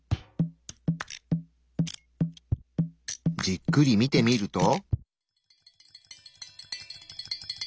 じっくり見てみると。